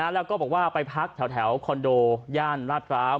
แล้วก็บอกว่าไปพักแถวคอนโดย่านลาดพร้าว